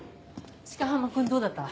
鹿浜君どうだった？